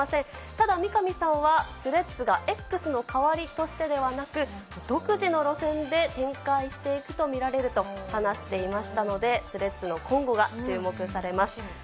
ただ、三上さんはスレッズがＸの代わりとしてではなく、独自の路線で展開していくと見られると話していましたので、スレッズの今後が注目されます。